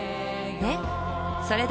えっ？